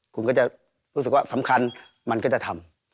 คุณก็จะรู้สึกว่าสำคัญมันก็จะทำ